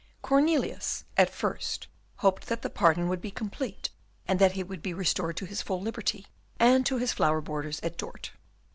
Cornelius at first hoped that the pardon would be complete, and that he would be restored to his full liberty and to his flower borders at Dort.